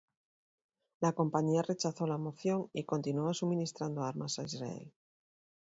La compañía rechazó la moción y continuó suministrando armas a Israel.